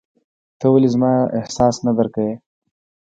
ته ولي زما احساس نه درکوې !